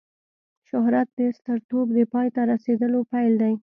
شهرت د سترتوب د پای ته رسېدلو پیل دی.